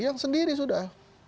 yang sendiri sudah